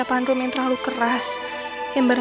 eh eh eh karun kan belum selesai ngajar ya